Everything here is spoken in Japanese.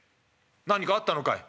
何かあったのかい」。